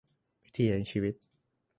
วิถีแห่งชีวิต